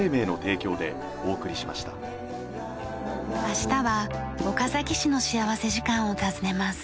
明日は岡崎市の幸福時間を訪ねます。